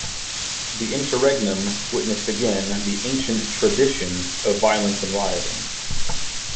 The interregnum witnessed again the ancient "tradition" of violence and rioting.